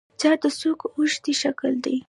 چا د څوک اوښتي شکل دی.